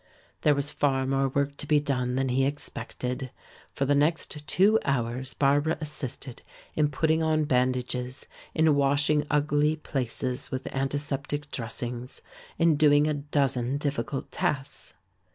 There was far more work to be done than he expected. For the next two hours Barbara assisted in putting on bandages, in washing ugly places with antiseptic dressings, in doing a dozen difficult tasks.